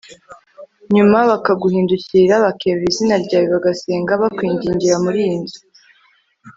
nyuma bakaguhindukirira bakerura izina ryawe, bagasenga bakwingingira muri iyi nzu